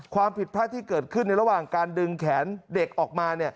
ความผิดพลาดที่เกิดขึ้นในระหว่างการดึงแขนเด็กออกมา